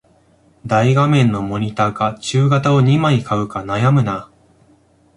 大画面のモニタか中型を二枚買うか悩むな